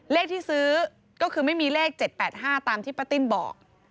เลขที่ซื้อก็คือไม่มีเลข๗๘๕ตามที่ป้าติ้นบอก